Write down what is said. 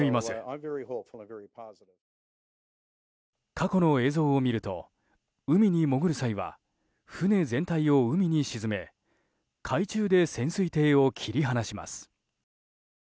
過去の映像を見ると海に潜る際は船全体を海に沈め海中で潜水艇を切り離します。